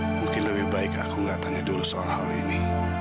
mungkin lebih baik aku nggak tanya dulu soal hal ini